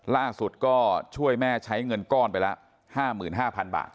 ล่าสุดก็ช่วยแม่ใช้เงินก้อนไปละ๕๕๐๐๐บาท